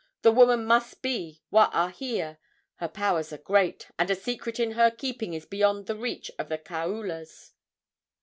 The woman must be Waahia. Her powers are great, and a secret in her keeping is beyond the reach of the kaulas."